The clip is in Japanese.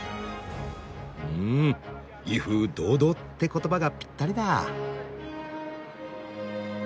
うん「威風堂々」って言葉がぴったりだ。